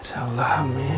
insya allah amin